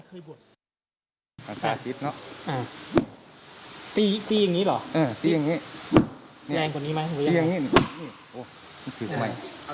คือจริงเนอะ